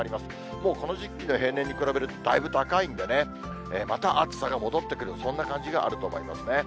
もうこの時期の平年に比べるとだいぶ高いんでね、また暑さが戻ってくる、そんな感じがあると思いますね。